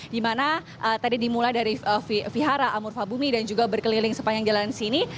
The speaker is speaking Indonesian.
dimana tadi dimulai dari vihara amur fah burfah bumi dan juga berkeliling sepanjang jalan sini